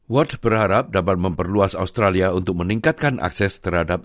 ward berharap dapat memperluas australia untuk meningkatkan akses terhadap